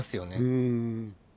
うん。